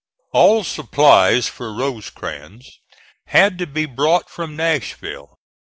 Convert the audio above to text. All supplies for Rosecrans had to be brought from Nashville.